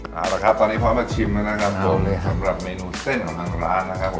เอาละครับตอนนี้พร้อมมาชิมแล้วนะครับผมสำหรับเมนูเส้นของทางร้านนะครับผม